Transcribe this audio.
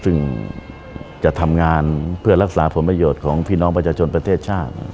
ซึ่งจะทำงานเพื่อรักษาผลประโยชน์ของพี่น้องประชาชนประเทศชาติ